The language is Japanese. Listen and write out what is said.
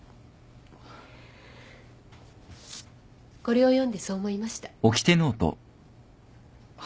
これを読んでそう思いました。